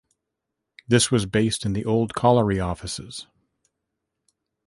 This was based in the Old Colliery Offices.